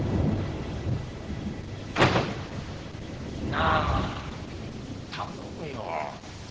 なあ頼むよ。